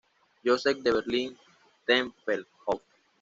Joseph de Berlín-Tempelhof.